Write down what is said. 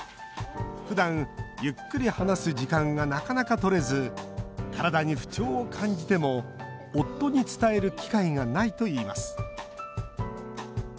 ふだんゆっくり話す時間がなかなかとれず体に不調を感じても夫に伝える機会がないといいます